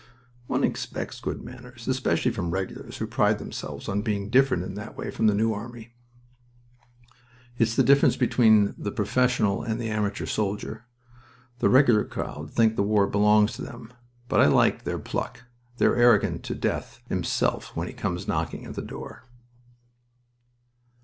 "One expects good manners. Especially from Regulars who pride themselves on being different in that way from the New Army." "It's the difference between the professional and the amateur soldier. The Regular crowd think the war belongs to them... But I liked their pluck. They're arrogant to Death himself when he comes knocking at the door."